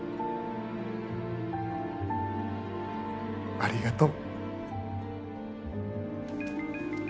ありがとう。